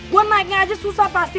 buat naiknya aja susah pasti